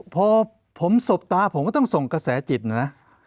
พอผมสบตาผมก็ต้องส่งกระแสจิตนะ